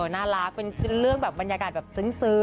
น่ารักเป็นเรื่องบรรยากาศซึ้งดี